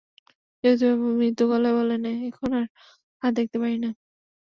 জ্যোতিবাবু মৃদু গলায় বললেন, এখন আর হাত দেখতে পারি না।